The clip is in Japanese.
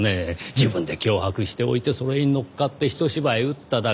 自分で脅迫しておいてそれにのっかって一芝居打っただけ。